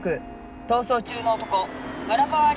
逃走中の男村川林